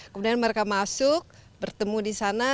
kemudian mereka masuk bertemu di sana